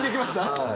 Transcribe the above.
はい。